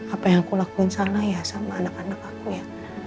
apa yang aku lakuin sana ya sama anak anak aku ya